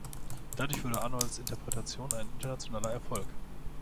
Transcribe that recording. Dadurch wurde Arnolds Interpretation ein internationaler Erfolg.